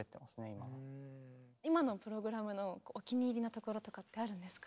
今のプログラムのお気に入りのところとかってあるんですか？